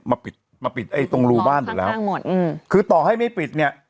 มาปิดมาปิดไอ้ตรงรูบ้านหมดแล้วทั้งหมดอืมคือต่อให้ไม่ปิดเนี้ย